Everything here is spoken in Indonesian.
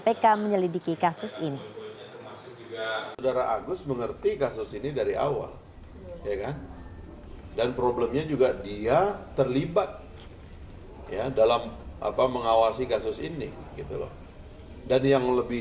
pk menyelidiki kasus ini